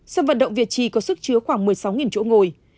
sân vận động việt trì có sức chứa khoảng một mươi sáu chỗ ngồi